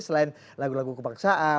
selain lagu lagu kebangsaan